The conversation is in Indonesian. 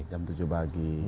jam tujuh pagi